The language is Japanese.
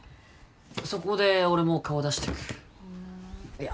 そこで俺も顔出してくふんいや